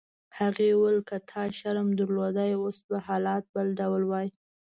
هغې وویل: که تا شرم درلودای اوس به حالات بل ډول وای.